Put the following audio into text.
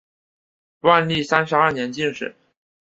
万历三十二年进士。